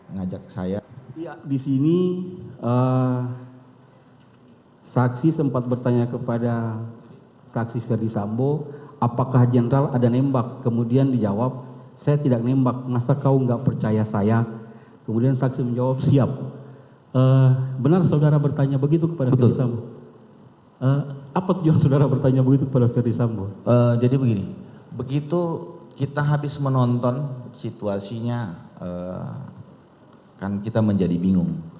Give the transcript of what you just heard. nah situasinya kan kita menjadi bingung